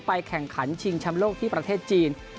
แข่งขันชิงชำโลกที่ประเทศจีน